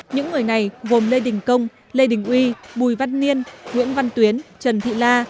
những người này gồm lê đình công lê đình uy bùi văn niên nguyễn văn tuyến trần thị la